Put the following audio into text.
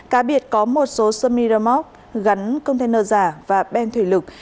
cá biệt có một số semi remote gắn container giả và beng thủy lực